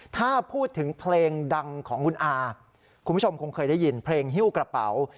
ถ้าพูดถึงเพลงดังของคุณอาคุณผู้ชมคงเคยได้ยินเพลงฮิ้วกระเป๋า